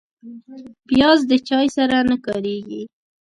پیاز د چای سره نه کارېږي